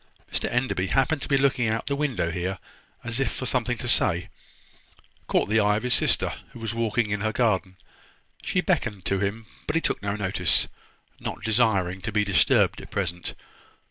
Mr Enderby, happening to be looking out of the window here, as if for something to say, caught the eye of his sister, who was walking in her garden. She beckoned to him, but he took no notice, not desiring to be disturbed at present.